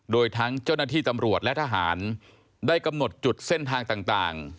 โดยทั้งเจ้าหน้าที่ตำรวจและทหารได้กำหนดจุดเส้นทางต่าง